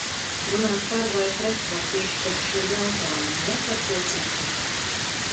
"Runāt "par" vai "pret" var tieši par šo jautājumu, ne par ko citu."